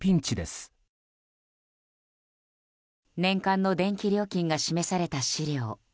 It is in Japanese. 年間の電気料金が示された資料。